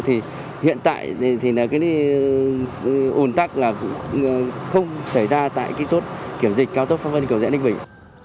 thì hiện tại thì là cái ủn tắc là không xảy ra tại cái chốt kiểm dịch cao tốc pháp vân cầu rẽ ninh bình